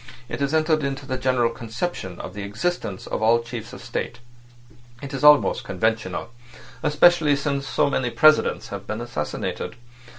It has entered into the general conception of the existence of all chiefs of state. It's almost conventional—especially since so many presidents have been assassinated.